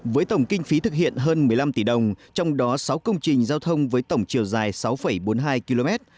với tổng kinh phí thực hiện hơn một mươi năm tỷ đồng trong đó sáu công trình giao thông với tổng chiều dài sáu bốn mươi hai km